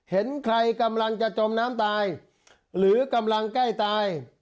เห็นใครกำลังจะจมน้ำตายหรือกำลังใกล้ตาย